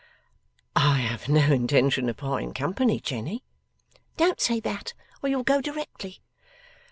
'I have no intention of parting company, Jenny.' 'Don't say that, or you'll go directly.